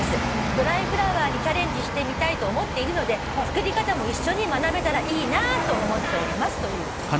「ドライフラワーにチャレンジしてみたいと思っているので作り方も一緒に学べたらいいなと思っております」というお手紙。